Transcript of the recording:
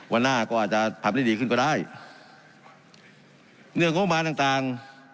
วันหน้าก็อาจจะผัดได้ดีขึ้นก็ได้เรื่องโรงพยาบาลต่างต่าง